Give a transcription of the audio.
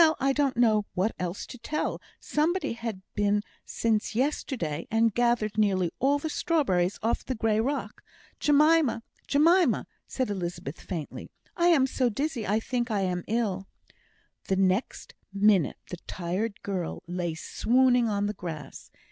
I don't know what else to tell. Somebody had been since yesterday, and gathered nearly all the strawberries off the grey rock. Jemima! Jemima!" said Elizabeth, faintly, "I am so dizzy I think I am ill." The next minute the tired girl lay swooning on the grass.